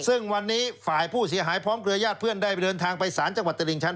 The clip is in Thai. ซึ่งวันนี้ฝ่ายผู้เสียหายพร้อมเครือญาติเพื่อนได้เดินทางไปสารจังหวัดตลิ่งชั้น